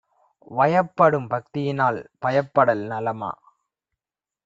வயப்படும் பக்தியினால் பயப்படல் நலமா?